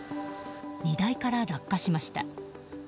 荷台から落下しました。